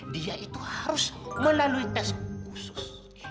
dia itu harus melalui tes khusus